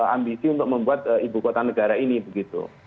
ambisi untuk membuat ibu kota negara ini begitu